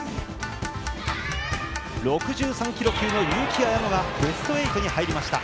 ６３キロ級の結城彩乃がベスト８に入りました。